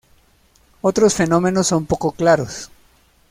Otros fenómenos son poco claros.